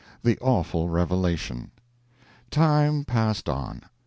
THE AWFUL REVELATION. Time passed on.